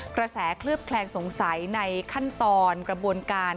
กระแสเคลือบแคลงสงสัยในขั้นตอนกระบวนการ